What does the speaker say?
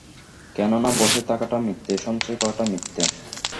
কেননা বসে থাকাটা মিথ্যে, সঞ্চয় করাটা মিথ্যে।